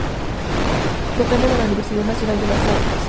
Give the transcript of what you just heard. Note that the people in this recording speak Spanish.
Depende de la Universidad Nacional de las Artes.